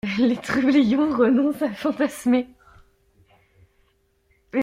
Les trublions renoncent à fantasmer.